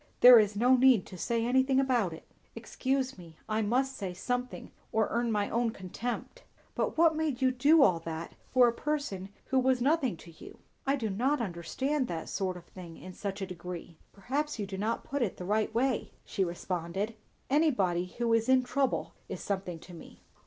"There is no need to say anything about it." "Excuse me; I must say something, or earn my own contempt. But what made you do all that for a person who was nothing to you? I do not understand that sort of thing, in such a degree." "Perhaps you do not put it the right way," she returned. "Anybody who is in trouble is something to me."